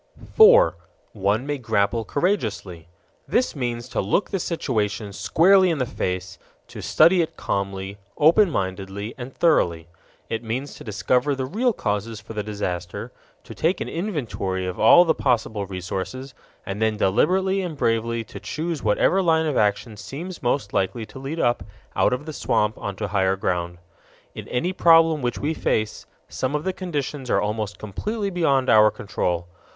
4. One may grapple courageously. This means to look the situation squarely in the face, to study it calmly, open mindedly, and thoroughly. It means to discover the real causes for the disaster, to take an inventory of all the possible resources, and then deliberately and bravely to choose whatever line of action seems most likely to lead up out of the swamp onto higher ground. In any problem which we face, some of the conditions are almost completely beyond our control.